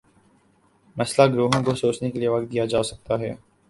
مسلح گروہوں کو سوچنے کے لیے وقت دیا جا سکتا ہے۔